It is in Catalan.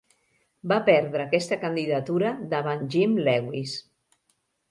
Va perdre aquesta candidatura davant Jim Lewis.